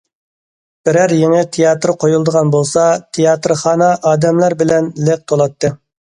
بىرەر يېڭى تىياتىر قويۇلىدىغان بولسا، تىياتىرخانا ئادەملەر بىلەن لىق تولاتتى.